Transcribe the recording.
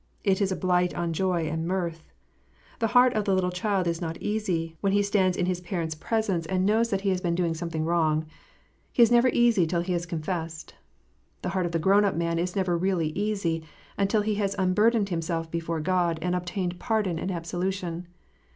It is a blight on joy and mirth. The heart of the little child is not easy, when he stands in his parents presence 262 KNOTS UNTIED. and knows that he has been doing something wrong. He is never easy till he has confessed. The heart of the grown up man is never really easy, until he has unburdened himself before God and obtained pardon and absolution.